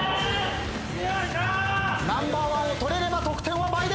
ナンバーワンを取れれば得点は倍です。